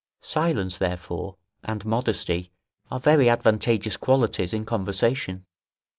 Silence, therefore, and modesty are very advantageous qualities in conversation.